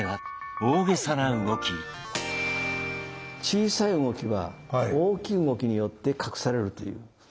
小さい動きは大きい動きによって隠されるという。